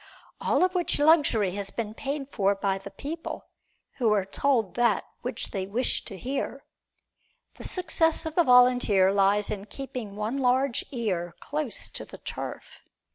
All of which luxury has been paid for by the people, who are told that which they wish to hear. The success of the volunteer lies in keeping one large ear close to the turf.